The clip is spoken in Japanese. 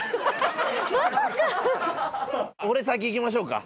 俺先いきましょうか？